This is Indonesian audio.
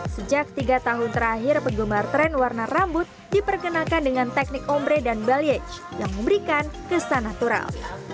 sejak tiga tahun terakhir penggemar tren warna rambut diperkenalkan dengan teknik ombre dan beliage yang memberikan kesan natural